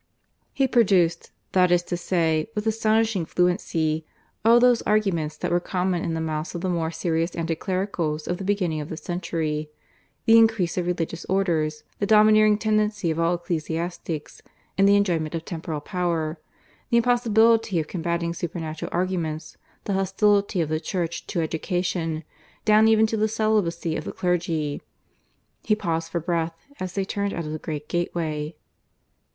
He produced, that is to say, with astonishing fluency all those arguments that were common in the mouths of the more serious anti clericals of the beginning of the century the increase of Religious Orders, the domineering tendency of all ecclesiastics in the enjoyment of temporal power, the impossibility of combating supernatural arguments, the hostility of the Church to education down even to the celibacy of the clergy. He paused for breath as they turned out of the great gateway.